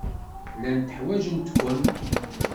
Llant ḥwajent-ken.